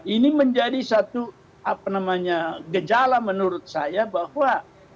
ini menjadi satu gejala menurut saya bahwa